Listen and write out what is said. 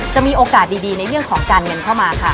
จะมีโอกาสดีในเรื่องของการเงินเข้ามาค่ะ